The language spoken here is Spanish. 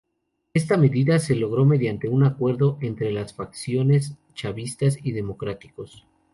Esta medida se logró mediante un acuerdo entre las facciones chavistas y democráticos.